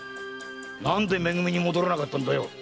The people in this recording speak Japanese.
何でめ組に戻らなかったんだ？